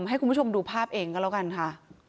ให้คุณผู้ชมดูภาพเองก็แล้วกันค่ะ